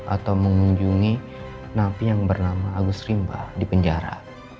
atau mengunjungi napi yang bernama agus rimba di penjara